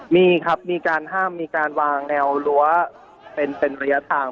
มีครับมีการห้ามมีการวางแนวรั้วเป็นระยะทาง